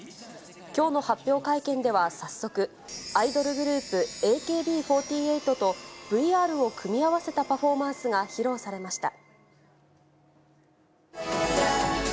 きょうの発表会見では早速、アイドルグループ、ＡＫＢ４８と、ＶＲを組み合わせたパフォーマンスが披露されました。